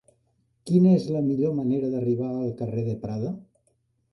Quina és la millor manera d'arribar al carrer de Prada?